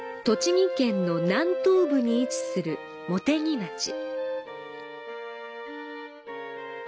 栃木県の南東部に位置する茂木町。